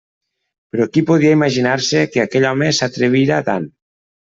Però qui podia imaginar-se que aquell home s'atrevira a tant?